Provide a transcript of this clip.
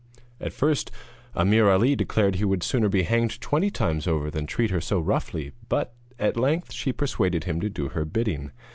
At first Ameer Ali declared that he would sooner be hanged twenty times over than treat her so roughly; but at length she persuaded him to do her bidding.